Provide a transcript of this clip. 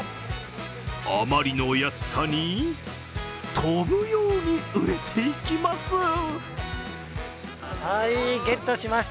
あまりの安さに、飛ぶように売れていきます。